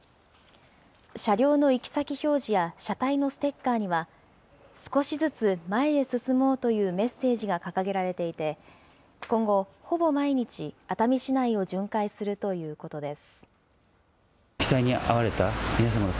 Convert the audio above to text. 車両の行き先表示や車体のステッカーには、少しずつ前へ進もうというメッセージが掲げられていて、今後、ほぼ毎日、熱海市内を巡回するということです。